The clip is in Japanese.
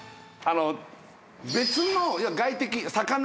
別の外敵。